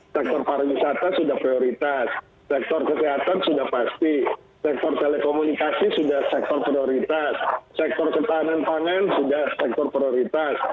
sektor pariwisata sudah prioritas sektor kesehatan sudah pasti sektor telekomunikasi sudah sektor prioritas sektor ketahanan pangan sudah sektor prioritas